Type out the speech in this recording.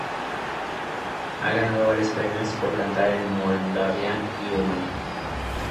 Ha ganado varios premios por cantar en Moldavia y Rumanía.